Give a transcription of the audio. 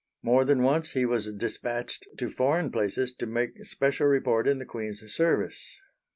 More than once he was despatched to foreign places to make special report in the Queen's service.